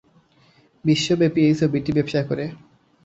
বিশ্বব্যাপী এই ছবিটি ব্যবসা করে।